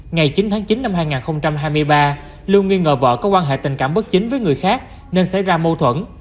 ngày chín tháng chín năm hai nghìn hai mươi ba lưu nghi ngờ vợ có quan hệ tình cảm bất chính với người khác nên xảy ra mâu thuẫn